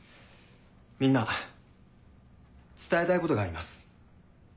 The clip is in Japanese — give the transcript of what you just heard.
みんな伝えたいことがあります。